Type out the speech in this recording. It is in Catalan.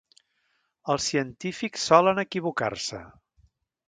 Els científics solen equivocar-se.